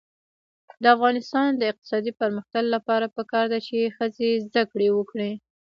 د افغانستان د اقتصادي پرمختګ لپاره پکار ده چې ښځې زده کړې وکړي.